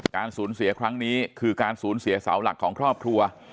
การสูญเสียครั้งนี้คือการสูญเสียเสาหลักของครอบครัว